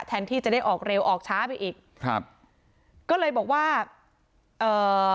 แทนที่จะได้ออกเร็วออกช้าไปอีกครับก็เลยบอกว่าเอ่อ